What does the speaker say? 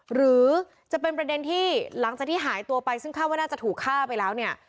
หรือจะเป็นประเด็นที่หลังจากที่หายตัวไปซึ่งคาดว่าน่าจะถูกฆ่าไปแล้วเนี่ย